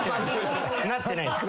なってないです。